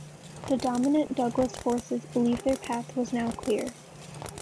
The dominant Douglas forces believed their path was now clear.